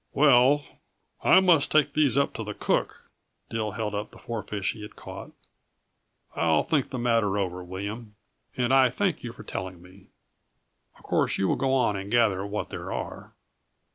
"Well, I must take these up to the cook." Dill held up the four fish he had caught. "I'll think the matter over, William, and I thank you for telling me. Of course you will go on and gather what there are."